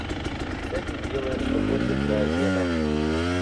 Всякий делает что хочет до обеда.